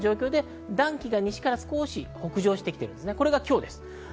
暖気が西から北上してきています。